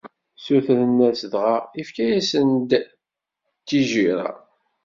Ssutren-as, dɣa ifka-yasen-d tijirra.